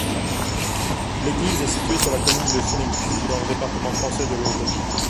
L'église est située sur la commune de Chennegy, dans le département français de l'Aube.